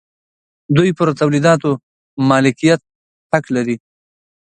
دوی پر تولیداتو مالکیت حق لري.